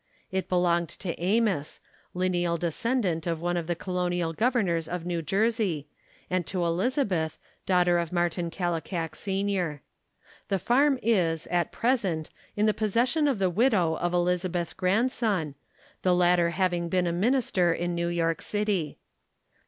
It belonged to Amos lineal descendant of one of the colonial governors of New Jersey and to Elizabeth, daughter of Martin Kallikak Sr. The farm is, at pres FACTS ABOUT THE KALLIKAK FAMILY 95 ent, in the possession of the widow of Elizabeth's grand son, the latter having been a minister in New York City.